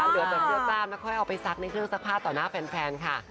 เหลือแต่เสื้อกล้ามไม่ค่อยเอาไปซักในเครื่องซักผ้าต่อหน้าแฟนค่ะ